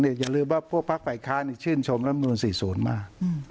สรษร๔๐เน่ะอย่าลืมว่าพวกพระภัยคารเนี่ยชื่นชมรัฐมนุม๔๐มาก